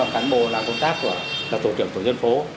bản thân tôi cũng là cán bộ làm công tác của tổ trưởng tổ dân phố